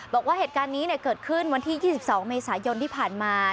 บอกว่าเหตุการณ์นี้เกิดขึ้นวันที่๒๒เมษายนที่ผ่านมา